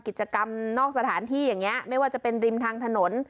กิจกรรมนอกสถานที่อย่างนี้ไม่ว่าจะเป็นริมทางถนน